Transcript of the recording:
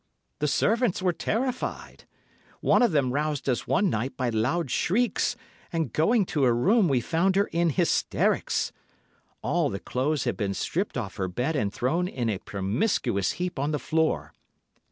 The servants were terrified. One of them roused us one night by loud shrieks, and going to her room, we found her in hysterics. All the clothes had been stripped off her bed and thrown in a promiscuous heap on the floor.